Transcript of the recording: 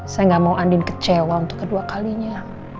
saya gak mau andin kecewa untuk kedua kalinya